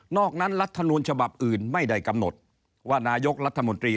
อกนั้นรัฐมนูลฉบับอื่นไม่ได้กำหนดว่านายกรัฐมนตรี